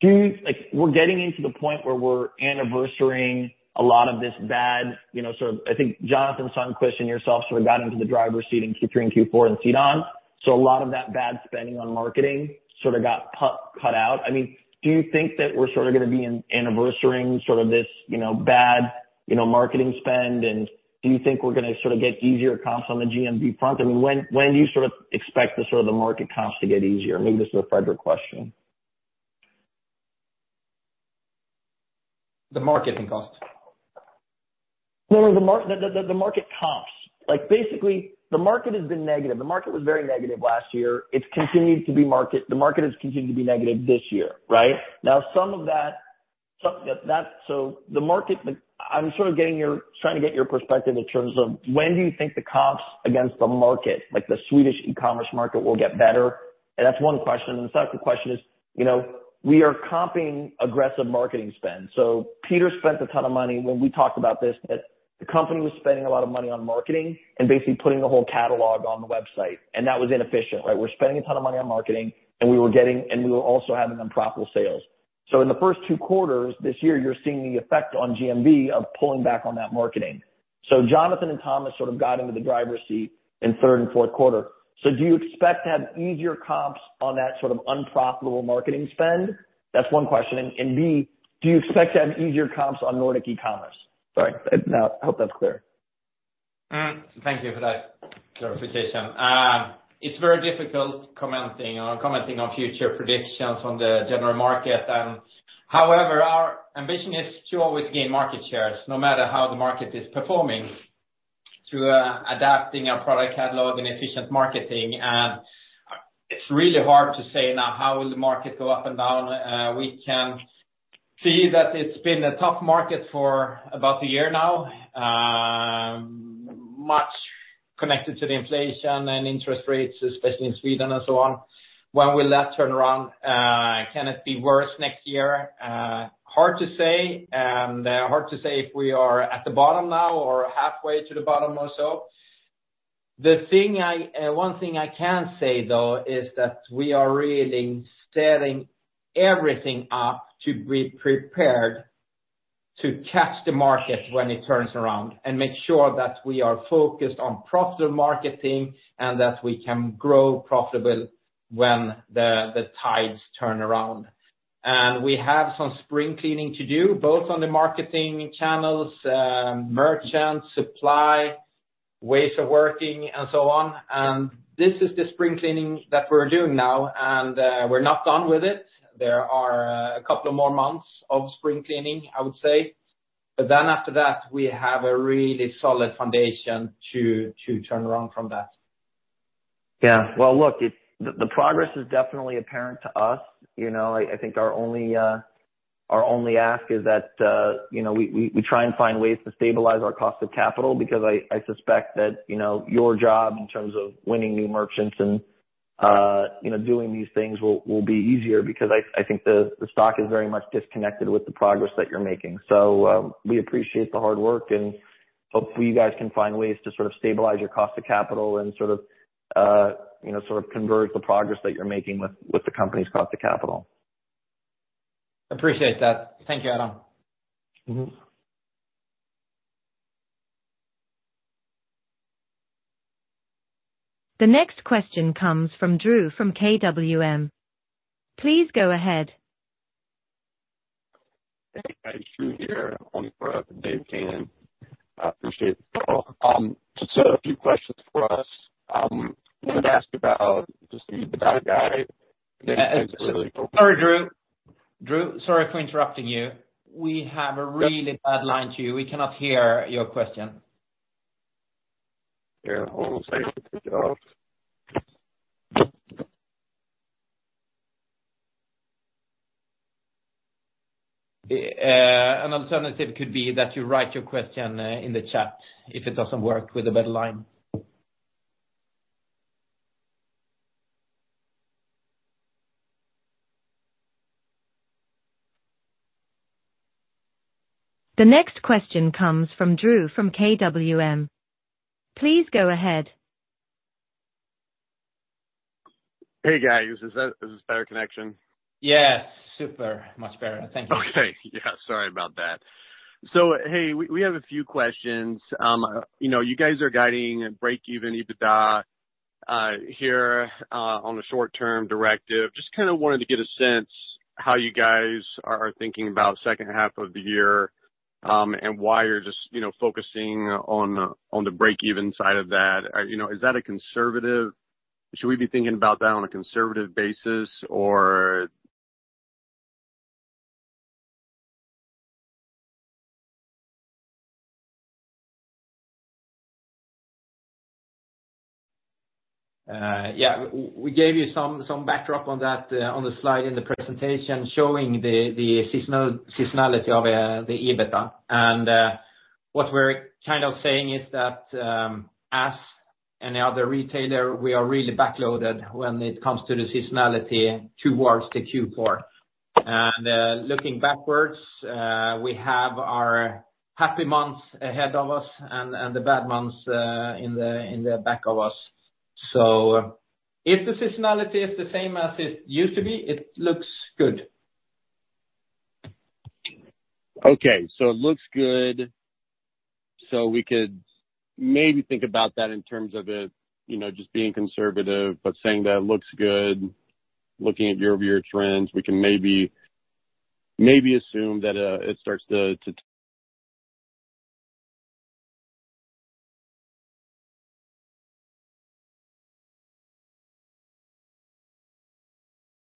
do you like, we're getting into the point where we're anniversarying a lot of this bad, you know, sort of. I think Jonathan, Son, Chris, and yourself, sort of got into the driver's seat in Q3 and Q4 and CDON. A lot of that bad spending on marketing sort of got cut out. I mean, do you think that we're sort of gonna be an anniversarying sort of this, you know, bad, you know, marketing spend? Do you think we're gonna sort of get easier comps on the GMV front? I mean, when do you sort of expect the sort of the market comps to get easier? Maybe this is a Fredrik question. The marketing costs? No, no, the market comps. Like, basically, the market has been negative. The market was very negative last year. The market has continued to be negative this year, right? I'm sort of trying to get your perspective in terms of when do you think the comps against the market, like the Swedish e-commerce market, will get better? That's one question. The second question is, you know, we are comping aggressive marketing spend. Peter spent a ton of money when we talked about this, that the company was spending a lot of money on marketing and basically putting the whole catalog on the website, and that was inefficient, right? We're spending a ton of money on marketing, and we were also having unprofitable sales. In the first two quarters this year, you're seeing the effect on GMV of pulling back on that marketing. Jonathan and Thomas sort of got into the driver's seat in third and fourth quarter. Do you expect to have easier comps on that sort of unprofitable marketing spend? That's one question. And B, do you expect to have easier comps on Nordic e-commerce? Sorry, I, now, I hope that's clear. Thank you for that clarification. It's very difficult commenting on future predictions on the general market. However, our ambition is to always gain market shares, no matter how the market is performing, through adapting our product catalog and efficient marketing. It's really hard to say now, how will the market go up and down? We can see that it's been a tough market for about a year now, much connected to the inflation and interest rates, especially in Sweden and so on. When will that turn around? Can it be worse next year? Hard to say, and hard to say if we are at the bottom now or halfway to the bottom or so. The thing I, one thing I can say, though, is that we are really setting everything up to be prepared to catch the market when it turns around, and make sure that we are focused on profitable marketing, and that we can grow profitable when the tides turn around. We have some spring cleaning to do, both on the marketing channels, merchants, supply, ways of working, and so on, and this is the spring cleaning that we're doing now, and we're not done with it. There are a couple of more months of spring cleaning, I would say. After that, we have a really solid foundation to turn around from that. Yeah. Well, look, it's... The progress is definitely apparent to us. You know, I think our only ask is that, you know, we try and find ways to stabilize our cost of capital, because I suspect that, you know, your job in terms of winning new merchants and, you know, doing these things will be easier because I think the stock is very much disconnected with the progress that you're making. We appreciate the hard work, and hopefully you guys can find ways to sort of stabilize your cost of capital and sort of, you know, sort of convert the progress that you're making with the company's cost of capital. Appreciate that. Thank you, Adam. Mm-hmm. The next question comes from Drew, from KWM. Please go ahead. Hey, Drew here on for Dave Kahn. I appreciate the call. Just a few questions for us. Wanted to ask about just the EBITDA guide. Sorry, Drew, sorry for interrupting you. Yep bad line to you. We cannot hear your question. Yeah, hold one second. An alternative could be that you write your question, in the chat, if it doesn't work with a better line. The next question comes from Drew, from KWM. Please go ahead. Hey, guys, is this a better connection? Yes. Super, much better. Thank you. Okay. Yeah, sorry about that. Hey, we have a few questions. You know, you guys are guiding breakeven EBITDA, here, on the short-term directive. Just kind of wanted to get a sense how you guys are thinking about second half of the year, and why you're just, you know, focusing on the breakeven side of that. You know, is that a conservative? Should we be thinking about that on a conservative basis, or? ...Yeah, we gave you some backdrop on that, on the slide in the presentation, showing the seasonality of the EBITDA. What we're kind of saying is that, as any other retailer, we are really backloaded when it comes to the seasonality towards the Q4. Looking backwards, we have our happy months ahead of us and the bad months in the back of us. If the seasonality is the same as it used to be, it looks good. It looks good. We could maybe think about that in terms of it, you know, just being conservative, but saying that it looks good. Looking at year-over-year trends, we can maybe assume that it starts to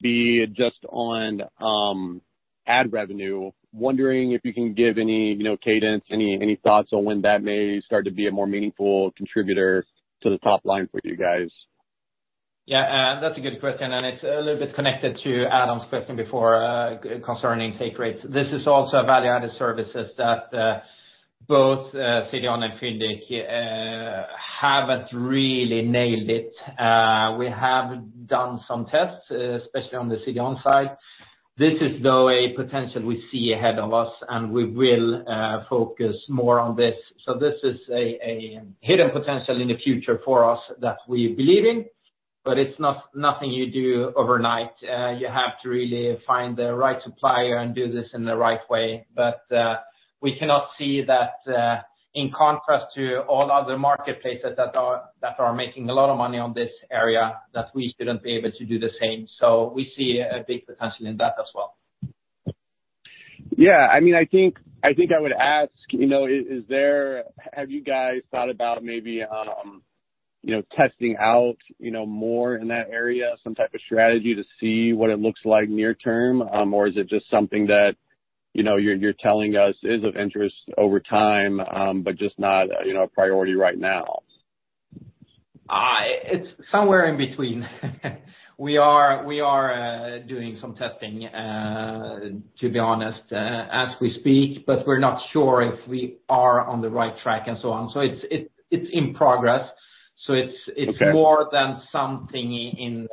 be just on ad revenue. Wondering if you can give any, you know, cadence, any thoughts on when that may start to be a more meaningful contributor to the top line for you guys? That's a good question, and it's a little bit connected to Adam's question before, concerning take rates. This is also a value-added services that, both CDON and Fyndiq, haven't really nailed it. We have done some tests, especially on the CDON side. This is, though, a potential we see ahead of us, and we will focus more on this. This is a hidden potential in the future for us that we believe in, but it's not, nothing you do overnight. You have to really find the right supplier and do this in the right way. We cannot see that, in contrast to all other marketplaces that are making a lot of money on this area, that we shouldn't be able to do the same. We see a big potential in that as well. I mean, I think I would ask, you know, is there... Have you guys thought about maybe, you know, testing out, you know, more in that area, some type of strategy to see what it looks like near term? Or is it just something that, you know, you're telling us is of interest over time, but just not, you know, a priority right now? It's somewhere in between. We are doing some testing, to be honest, as we speak, but we're not sure if we are on the right track and so on. It's in progress. Okay... it's more than something in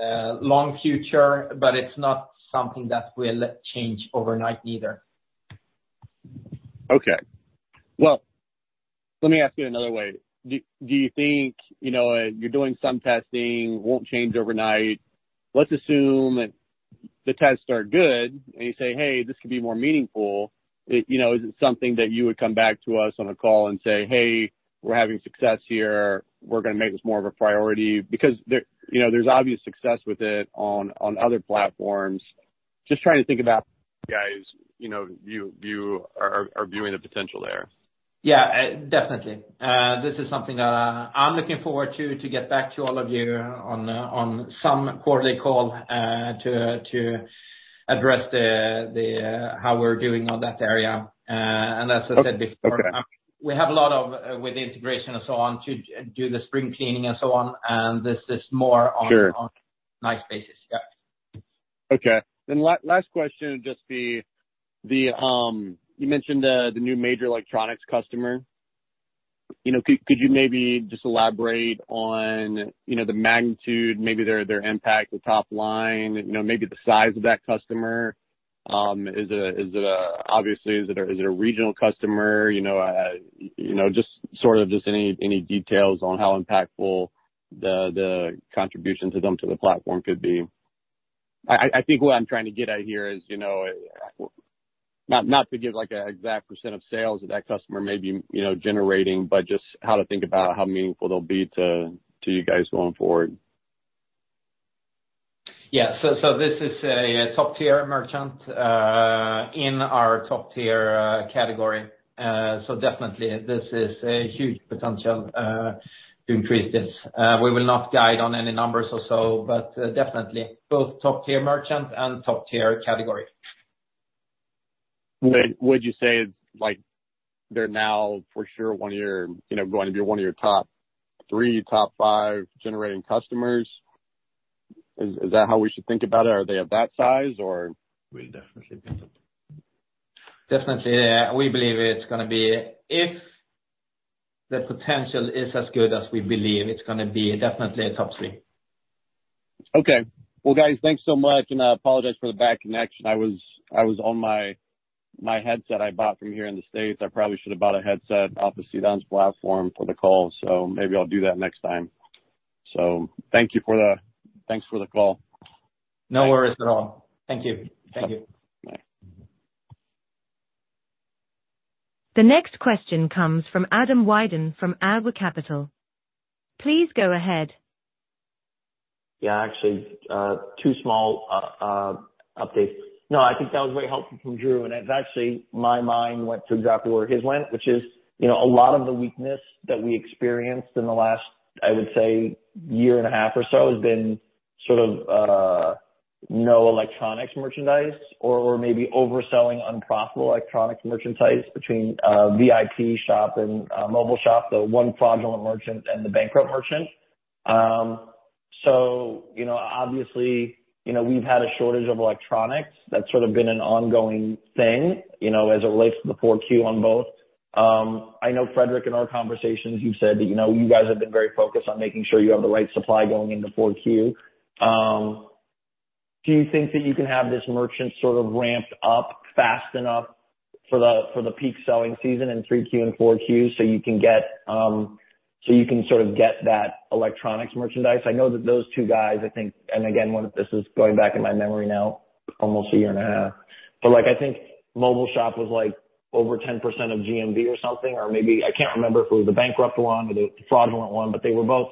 long future, but it's not something that will change overnight either. Okay. Well, let me ask you another way. Do you think, you know, you're doing some testing, won't change overnight. Let's assume that the tests are good, and you say, "Hey, this could be more meaningful." It, you know, is it something that you would come back to us on a call and say, "Hey, we're having success here, we're gonna make this more of a priority"?" There, you know, there's obvious success with it on other platforms. Just trying to think about guys, you know, view, are viewing the potential there. Yeah, definitely. This is something I'm looking forward to get back to all of you on some quarterly call, to address the how we're doing on that area. As I said before… Okay. We have a lot of, with the integration and so on, to do the spring cleaning and so on, this is more. Sure... on nice basis. Yeah. Last question, just the, you mentioned, the new major electronics customer. You know, could you maybe just elaborate on, you know, the magnitude, maybe their impact, the top line, you know, maybe the size of that customer? Is it a... Obviously, is it a regional customer? You know, just sort of any details on how impactful the contribution to them, to the platform could be. I think what I'm trying to get at here is, you know, not to give, like, an exact percent of sales that that customer may be, you know, generating, but just how to think about how meaningful they'll be to you guys going forward. Yeah. This is a top-tier merchant in our top-tier category. Definitely this is a huge potential to increase this. We will not guide on any numbers or so, but definitely, both top-tier merchant and top-tier category. Would you say, like, they're now for sure one of your, you know, going to be one of your top three, top five generating customers? Is that how we should think about it? Are they of that size or? Will definitely be. Definitely, yeah. We believe it's gonna be... If the potential is as good as we believe, it's gonna be definitely a top three. Okay. Well, guys, thanks so much. I apologize for the bad connection. I was on my headset I bought from here in the States. I probably should have bought a headset off the CDON's platform for the call. Maybe I'll do that next time. Thanks for the call. No worries at all. Thank you. Thank you. Bye. The next question comes from Adam Widen from ADW Capital. Please go ahead. Yeah, actually, two small updates. I think that was very helpful from Drew, and actually, my mind went to exactly where his went, which is, you know, a lot of the weakness that we experienced in the last, I would say, year and a half or so, has been sort of no electronics merchandise or maybe overselling unprofitable electronics merchandise between Vipshoppen and Mobileshoppen, the one fraudulent merchant and the bankrupt merchant. You know, obviously, you know, we've had a shortage of electronics. That's sort of been an ongoing thing, you know, as it relates to the four Q on both. I know Fredrik, in our conversations, you've said that, you know, you guys have been very focused on making sure you have the right supply going into four Q. Do you think that you can have this merchant sort of ramped up fast enough for the peak selling season in 3Q and 4Q? You can get, so you can sort of get that electronics merchandise? I know that those two guys, I think, and again, this is going back in my memory now, almost a year and a half, but like I think Mobileshoppen was like over 10% of GMV or something. Maybe I can't remember if it was the bankrupt one or the fraudulent one, but they were both,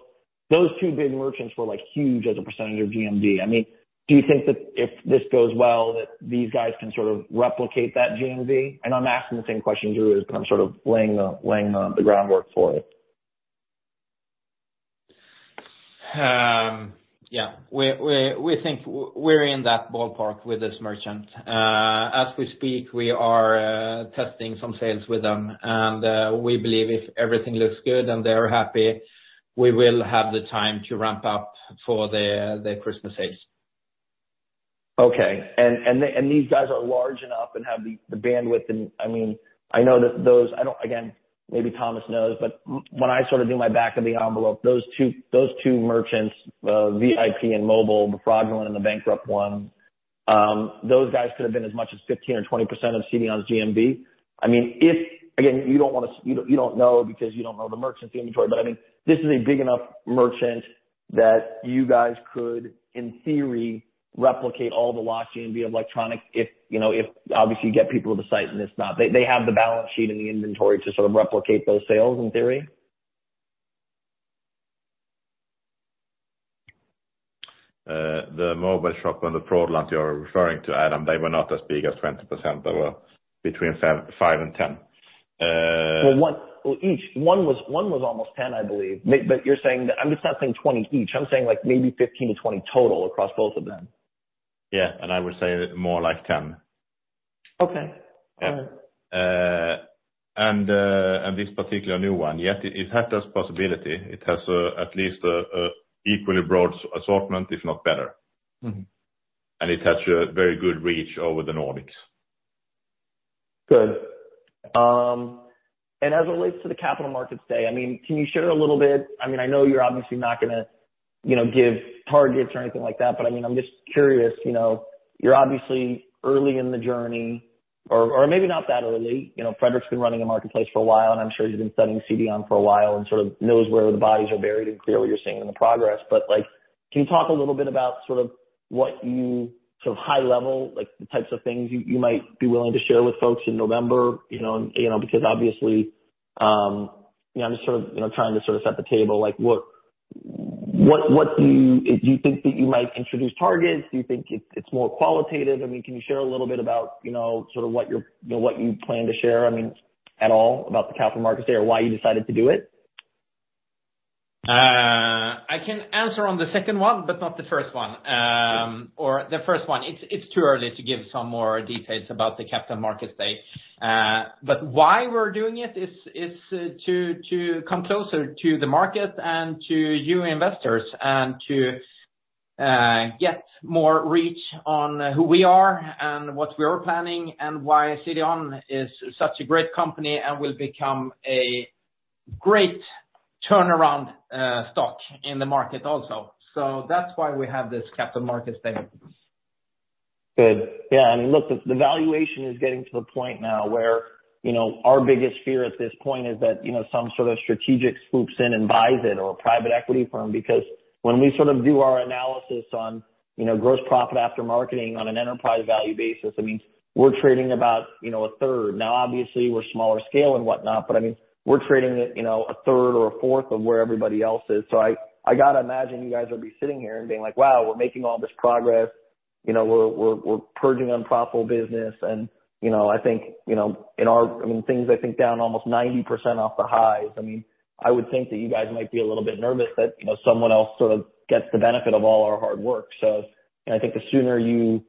those two big merchants were like huge as a percentage of GMV. I mean, do you think that if this goes well, that these guys can sort of replicate that GMV? I'm asking the same question to you, as I'm sort of laying the groundwork for it. Yeah, we think we're in that ballpark with this merchant. As we speak, we are testing some sales with them. We believe if everything looks good and they are happy, we will have the time to ramp up for the Christmas sales. Okay. These guys are large enough and have the bandwidth. I mean, I know that. Again, maybe Thomas knows, but when I sort of do my back of the envelope, those two merchants, VIP and Mobile, the fraudulent and the bankrupt one, those guys could have been as much as 15% or 20% of CDON's GMV. I mean, if, again, you don't want to, you don't know because you don't know the merchants inventory, but I mean, this is a big enough merchant that you guys could, in theory, replicate all the lost GMV of electronics, if, you know, if obviously you get people to the site. They have the balance sheet and the inventory to sort of replicate those sales, in theory? The Mobileshop and the fraudulent you're referring to, Adam, they were not as big as 20%. They were between 7.5% and 10%. Well, one was almost 10, I believe. You're saying that... I'm just not saying 20 each. I'm saying like maybe 15-20 total across both of them. Yeah, I would say more like 10. Okay. All right. This particular new one, yet it has this possibility. It has at least a equally broad assortment, if not better. Mm-hmm. It has a very good reach over the Nordics. Good. As it relates to the Capital Markets Day, I mean, can you share a little bit? I mean, I know you're obviously not gonna, you know, give targets or anything like that, but I mean, I'm just curious, you know, you're obviously early in the journey, or maybe not that early. You know, Fredrik's been running a marketplace for a while, and I'm sure you've been studying CDON for a while, and sort of knows where the bodies are buried and clear what you're seeing in the progress. Like, can you talk a little bit about sort of what you, sort of high level, like the types of things you might be willing to share with folks in November? You know, because obviously, you know, I'm just sort of, you know, trying to sort of set the table, like, what do you think that you might introduce targets? Do you think it's more qualitative? I mean, can you share a little bit about, you know, sort of what your, you know, what you plan to share, I mean, at all, about the Capital Markets Day, or why you decided to do it? I can answer on the second one, but not the first one. The first one, it's too early to give some more details about the Capital Markets Day. Why we're doing it is to come closer to the market and to you investors, and to get more reach on who we are and what we are planning, and why CDON is such a great company and will become a great turnaround stock in the market also. That's why we have this Capital Markets Day. Good. Yeah, look, the valuation is getting to the point now where, you know, our biggest fear at this point is that, you know, some sort of strategic swoops in and buys it, or a private equity firm. When we sort of do our analysis on, you know, gross profit after marketing on an enterprise value basis, I mean, we're trading about, you know, a third. Obviously, we're smaller scale and whatnot, I mean, we're trading at, you know, a third or a fourth of where everybody else is. I gotta imagine you guys would be sitting here and being like: Wow, we're making all this progress, you know, we're purging unprofitable business. You know, I think, you know, I mean, things, I think, down almost 90% off the highs. I mean, I would think that you guys might be a little bit nervous that, you know, someone else sort of gets the benefit of all our hard work. I think the sooner you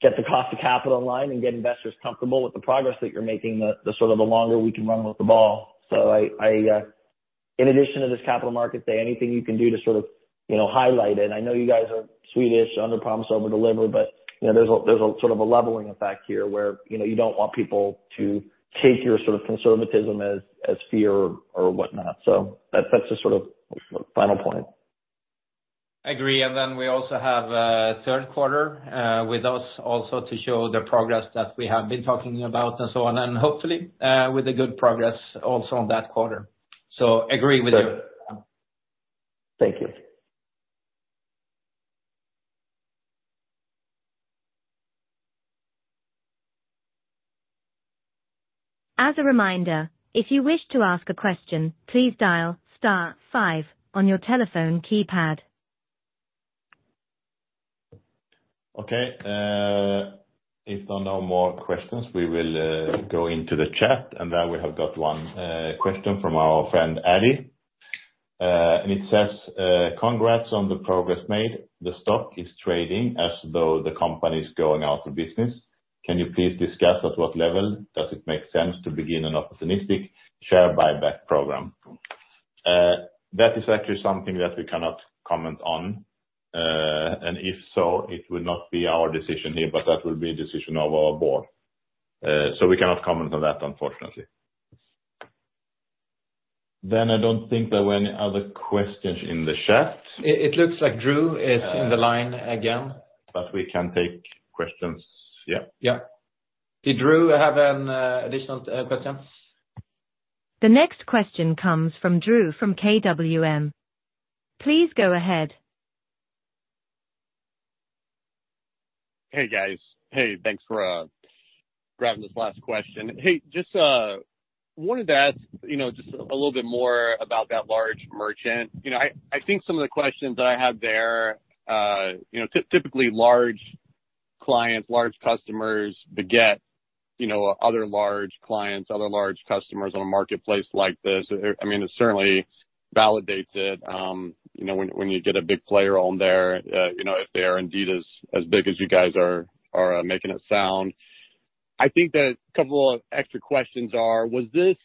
get the cost of capital in line and get investors comfortable with the progress that you're making, the sort of the longer we can run with the ball. I, in addition to this Capital Markets Day, anything you can do to sort of, you know, highlight it. I know you guys are Swedish, under promise, over deliver, but, you know, there's a sort of a leveling effect here where, you know, you don't want people to take your sort of conservatism as fear or whatnot. That's the sort of final point. Agree. We also have a third quarter, with us also to show the progress that we have been talking about and so on, and hopefully, with a good progress also on that quarter. Agree with you. Thank you. As a reminder, if you wish to ask a question, please dial star five on your telephone keypad. Okay, If there are no more questions, we will go into the chat, and there we have got one question from our friend, Eddie. It says, "Congrats on the progress made. The stock is trading as though the company is going out of business. Can you please discuss at what level? Does it make sense to begin an opportunistic share buyback program?" That is actually something that we cannot comment on. If so, it would not be our decision here, but that will be a decision of our board. We cannot comment on that, unfortunately. I don't think there were any other questions in the chat. It looks like Drew is in the line again. We can take questions. Yeah. Yeah. Did Drew have an additional questions? The next question comes from Drew, from KWM. Please go ahead. Hey, guys. Hey, thanks for grabbing this last question. Hey, just, wanted to ask, you know, just a little bit more about that large merchant. You know, I think some of the questions that I have there, you know, typically large clients, large customers beget, you know, other large clients, other large customers on a marketplace like this. I mean, it certainly validates it, you know, when you get a big player on there, you know, if they are indeed as big as you guys are making it sound. I think that a couple of extra questions are: was this...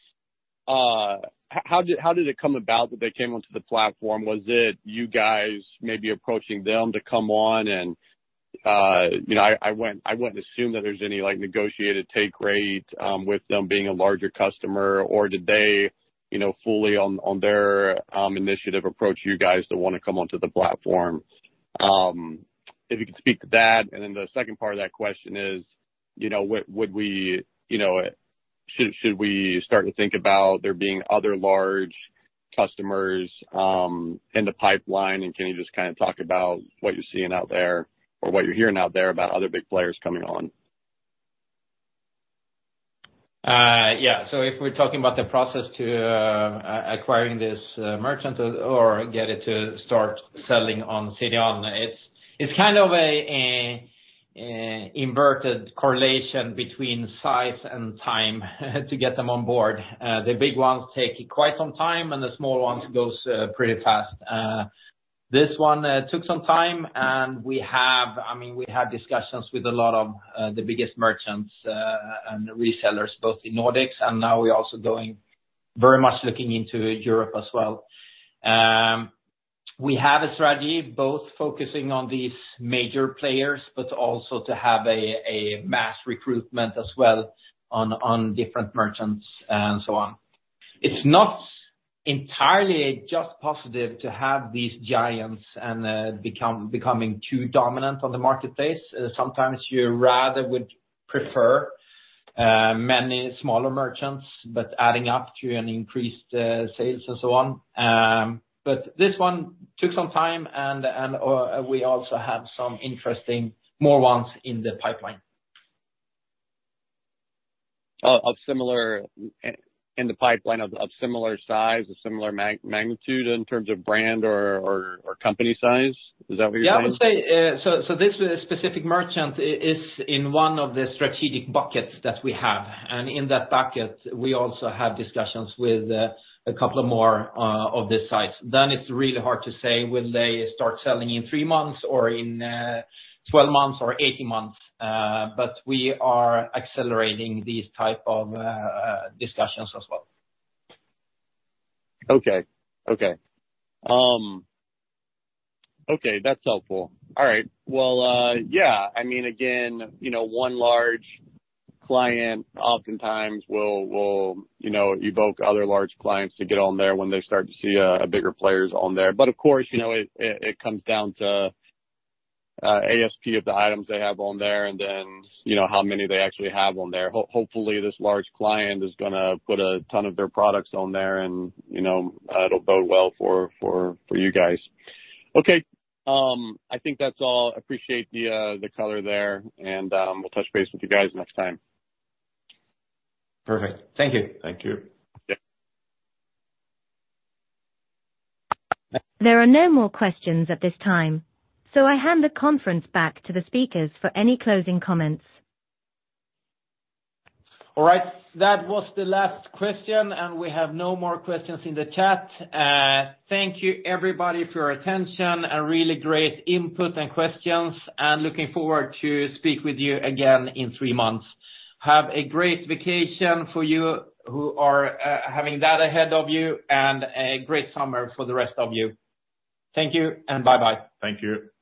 How did, how did it come about that they came onto the platform? Was it you guys maybe approaching them to come on and, you know, I wouldn't assume that there's any, like, negotiated take rate with them being a larger customer, or did they, you know, fully on their initiative approach you guys to wanna come onto the platform? If you could speak to that. The second part of that question is, you know, what would we, you know, should we start to think about there being other large customers in the pipeline? Can you just kind of talk about what you're seeing out there or what you're hearing out there about other big players coming on? Yeah, if we're talking about the process to acquiring this merchant or get it to start selling on CDON, it's kind of a inverted correlation between size and time to get them on board. The big ones take quite some time, and the small ones goes pretty fast. This one took some time, I mean, we had discussions with a lot of the biggest merchants and resellers, both in Nordics, and now we're also going very much looking into Europe as well. We have a strategy both focusing on these major players, but also to have a mass recruitment as well on different merchants and so on. It's not entirely just positive to have these giants and becoming too dominant on the marketplace. Sometimes you rather would prefer many smaller merchants, but adding up to an increased sales and so on. This one took some time, we also have some interesting more ones in the pipeline. Oh, of similar, in the pipeline of similar size or similar magnitude in terms of brand or company size? Is that what you're saying? Yeah, I would say, so this specific merchant is in one of the strategic buckets that we have, and in that bucket, we also have discussions with a couple of more of this size. It's really hard to say when they start selling in 3 months or in 12 months or 18 months, we are accelerating these type of discussions as well. Okay. Okay. Okay, that's helpful. All right. Well, yeah, I mean, again, you know, one large client oftentimes will, you know, evoke other large clients to get on there when they start to see bigger players on there. Of course, you know, it, it comes down to ASP of the items they have on there, and then, you know, how many they actually have on there. Hopefully, this large client is gonna put a ton of their products on there, and, you know, it'll bode well for you guys. Okay, I think that's all. I appreciate the color there, and we'll touch base with you guys next time. Perfect. Thank you. Thank you. Yeah. There are no more questions at this time. I hand the conference back to the speakers for any closing comments. All right. That was the last question. We have no more questions in the chat. Thank you, everybody, for your attention and really great input and questions. Looking forward to speak with you again in 3 months. Have a great vacation for you, who are having that ahead of you, and a great summer for the rest of you. Thank you. Bye-bye. Thank you.